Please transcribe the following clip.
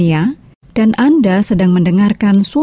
sebab kau telah jadi jamai di hatiku